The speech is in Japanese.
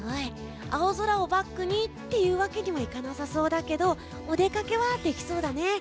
青空をバックにというわけにはいかなさそうだけどお出かけはできそうだね。